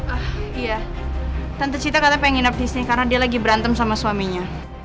ah iya tante cita katanya pengen up disini karena dia lagi berantem sama suaminya